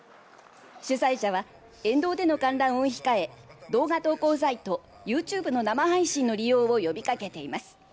主催者は沿道での観覧を控え動画投稿サイトＹｏｕＴｕｂｅの生配信の利用を呼びかけています。